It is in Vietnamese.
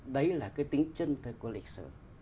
đấy là cái tính chân thực của lịch sử